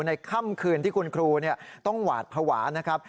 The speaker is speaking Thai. ค่ำคืนที่คุณครูต้องหวาดภาวะนะครับ